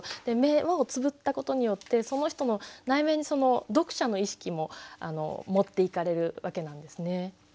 で目をつぶったことによってその人の内面に読者の意識も持っていかれるわけなんですね。